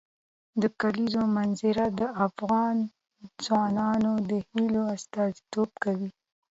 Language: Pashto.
د کلیزو منظره د افغان ځوانانو د هیلو استازیتوب کوي.